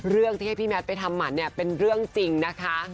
เรื่องที่ให้พี่แมทไปทำหมันเนี่ยเป็นเรื่องจริงนะคะ